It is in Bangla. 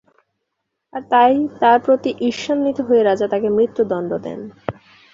আর তাই তার প্রতি ঈর্ষান্বিত হয়ে রাজা তাকে মৃত্যুদণ্ড দেন।